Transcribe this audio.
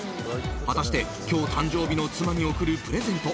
果たして今日誕生日の妻に贈るプレゼント